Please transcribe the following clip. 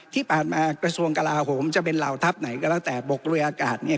กระทรวงกลาโหมจะเป็นเหล่าทัพไหนก็แล้วแต่บกเรืออากาศเนี่ย